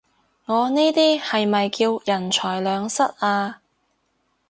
我呢啲係咪叫人財兩失啊？